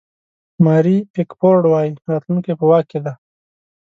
ماري پیکفورډ وایي راتلونکی په واک کې دی.